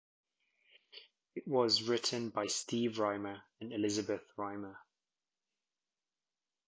It was written by Steve Rhymer and Elizabeth Rhymer.